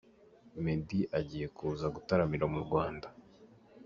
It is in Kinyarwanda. Meddy agiye kuza gutaramira mu Rwanda.